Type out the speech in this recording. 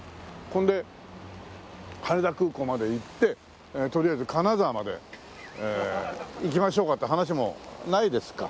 これで羽田空港まで行ってとりあえず金沢まで行きましょうかっていう話もないですか。